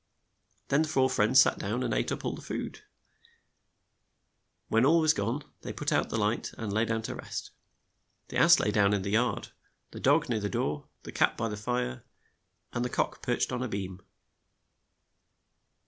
Then the four friends sat down and ate up the food. When all was gone, they put out the light, and lay down to rest. The ass lay down in the yard, the dog near the door, the cat by the fire, and the cock perched on a beam.